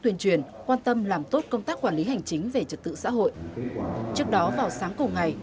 tuyên truyền quan tâm làm tốt công tác quản lý hành chính về trật tự xã hội trước đó vào sáng cùng ngày